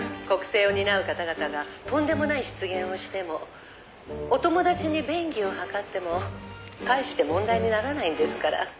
「国政を担う方々がとんでもない失言をしてもお友達に便宜を図っても大して問題にならないんですから」